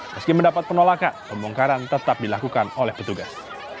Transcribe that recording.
meski mendapat penolakan pembongkaran tetap dilakukan oleh petugas